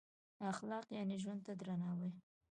اخلاق یعنې ژوند ته درناوی.